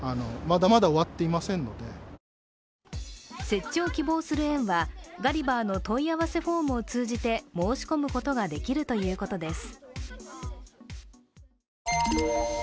設置を希望する園は、ガリバーの問い合わせフォームを通じて申し込むことができるということです。